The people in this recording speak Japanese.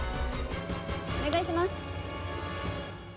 お願いします。